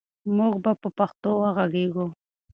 موږ به په پښتو وغږېږو.